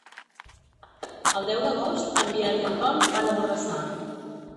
El deu d'agost en Biel i en Tom van a Borrassà.